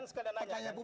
ini sekadar nanya